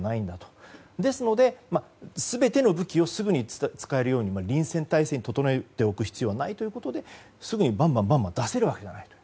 ですので、全ての武器をすぐに使えるように臨戦態勢を整えておく必要はないということですぐにばんばん出せるわけじゃない。